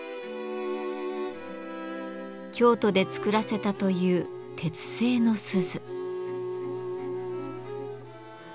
京都で作らせたという鉄製の鈴。